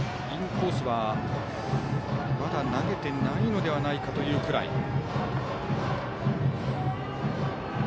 インコースはまだ投げてないのではないかというくらい。